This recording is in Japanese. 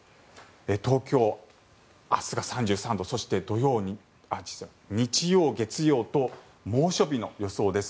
東京、明日が３３度そして日曜、月曜と猛暑日の予想です。